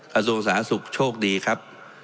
กสมศาสุขโชคดีครับ